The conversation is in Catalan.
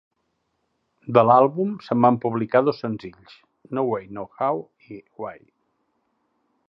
De l'àlbum, se'n van publicar dos senzills: "No Way No How" i "Why".